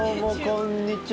こんにちは。